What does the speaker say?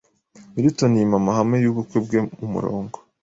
Milton yima amahame y’ubukwe bwe umurongo